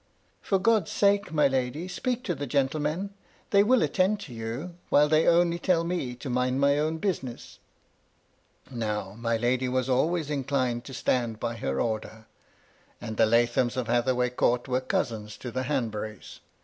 For God's sake, my lady, speak to the gentlemen; they will attend to you, while they only tell me to mind my own business." Now my lady was always inclined to stand by her order, and the Lathoms of Hathaway Court were cousins to the Hanburys.